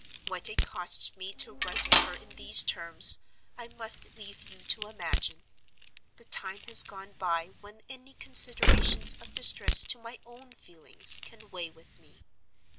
What it costs me to write of her in these terms, I must leave you to imagine. The time has gone by when any consideration of distress to my own feelings can weigh with me.